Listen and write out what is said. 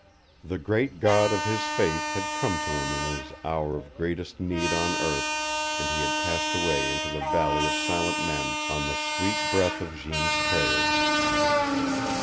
The Great God of his faith had come to him in his hour of greatest need on earth, and he had passed away into the Valley of Silent Men on the sweet breath of Jeanne's prayers.